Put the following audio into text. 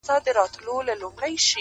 o زه چي الله څخه ښكلا په سجده كي غواړم،